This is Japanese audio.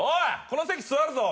この席座るぞ！」